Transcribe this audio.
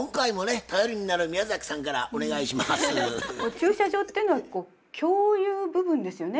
駐車場っていうのは共有部分ですよね。